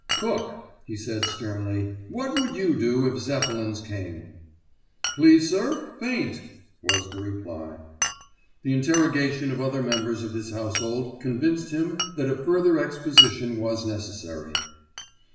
"Cook," he said sternly, "what would you do if Zeppelins came?" "Please, sir, faint," was the reply. The interrogation of other members of his household convinced him that a further exposition was necessary.